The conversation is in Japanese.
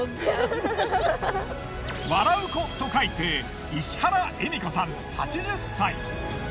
笑う子と書いて石原笑子さん８０歳。